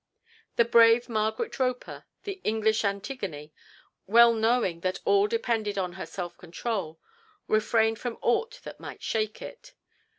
The brave Margaret Roper, the English Antigone, well knowing that all depended on her self control, refrained from aught that might shake it.